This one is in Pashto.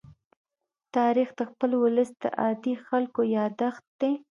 تاریخ د خپل ولس د عادي خلکو يادښت دی.